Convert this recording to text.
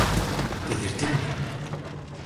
Delirdin mi?